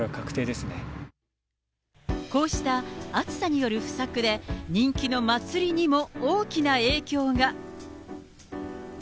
こうした、暑さによる不作で、人気の祭りにも大きな影響が。